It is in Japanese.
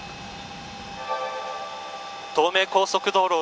東名高速道路